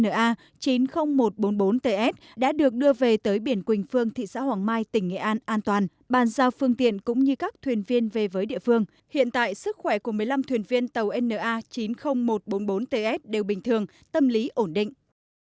tàu sát bốn trăm một mươi một cùng một mươi năm thuyền viên của tàu na chín mươi nghìn một trăm bốn mươi bốn ts đã được đưa về tới biển quỳnh phương thị xã hoàng mai tỉnh nghệ an an toàn bàn giao phương tiện cũng như các thuyền viên về với địa phương hiện tại sức khỏe của một mươi năm thuyền viên tàu na chín mươi nghìn một trăm bốn mươi bốn ts đều bình thường tâm lý ổn định